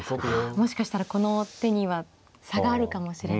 もしかしたらこの手には差があるかもしれない。